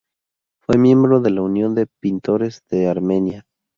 Fue miembro de la Unión de Pintores de Armenia.